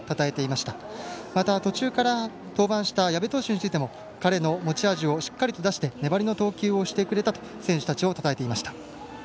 また、途中から登板した矢部投手についても彼の持ち味をしっかりと出して粘りの投球をしてくれたと選手たちをたたえていました。